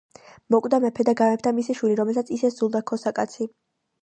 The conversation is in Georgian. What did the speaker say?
მოკვდა მეფე და გამეფდა მისი შვილი, რომელსაც ისე სძულდა ქოსა კაცი,